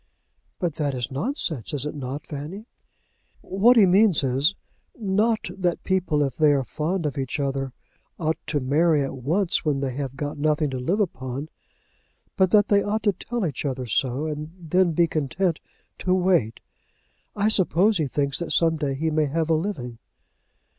"But that is nonsense; is it not, Fanny?" "What he means is, not that people if they are fond of each other ought to marry at once when they have got nothing to live upon, but that they ought to tell each other so and then be content to wait. I suppose he thinks that some day he may have a living."